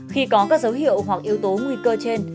khi có các dấu hiệu hoặc yếu tố nguy cơ trên